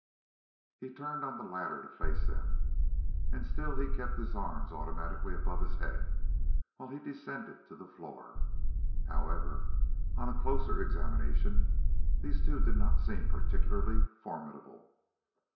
He turned on the ladder to face them, and still he kept the arms automatically above his head while he descended to the floor. However, on a closer examination, these two did not seem particularly formidable.